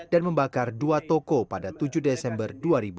dan membakar dua tokoh pada tujuh desember dua ribu